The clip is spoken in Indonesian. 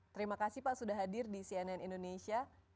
terima kasih pak sudah hadir di cnn indonesia